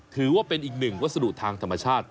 ถือว่าเป็นอีกหนึ่งวัสดุทางธรรมชาติ